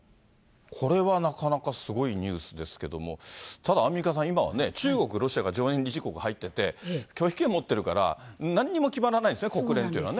これはなかなかすごいニュースですけども、ただ、アンミカさん、今はね、中国、ロシアが常任理事国に入ってて、拒否権持ってるからなんにも決まらないですよね、国連というのは